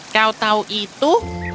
kau tahu itu